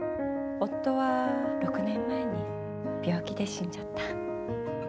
夫は６年前に病気で死んじゃった。